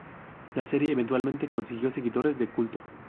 La serie eventualmente consiguió seguidores de culto.